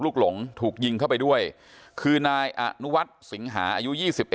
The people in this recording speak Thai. หลงถูกยิงเข้าไปด้วยคือนายอนุวัฒน์สิงหาอายุ๒๑